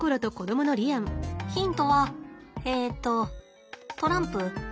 ヒントはえとトランプ。